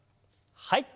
はい。